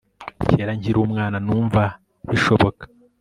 kera nkiri umwana numva bishoboka